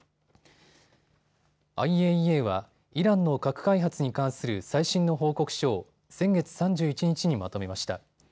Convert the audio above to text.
ＩＡＥＡはイランの核開発に関する最新の報告書を先月３１日にまとめました。